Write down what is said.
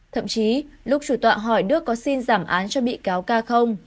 thậm chí lúc chủ tọa hỏi đức có xin giảm án cho bị cáo ca không